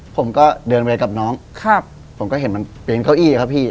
ผมก็เดินไปกับน้องครับผมก็เห็นมันเป็นเก้าอี้ครับพี่